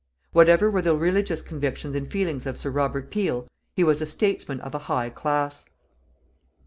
Whatever were the religious convictions and feelings of Sir Robert Peel, he was a statesman of a high class.